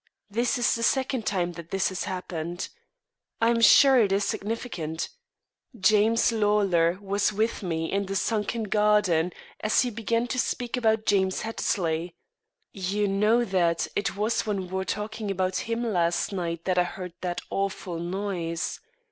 This is the second time that this has happened. I am sure it is significant. James Lawlor was with me in the sunken garden, and he began to speak about James Hattersley. You know it was when we were talking about him last night that I heard that awful noise.